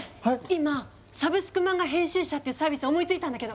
今「サブスクマンガ編集者」っていうサービス思いついたんだけど。